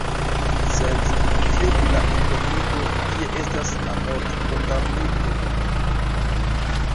Sed kio pri la entombigo, kie estas la mortkondamnito?